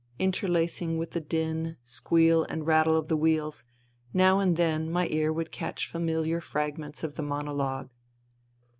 Interlacing with the din, squeal and rattle of the wheels, now and then my ear would catch familiar fragments of the monologue.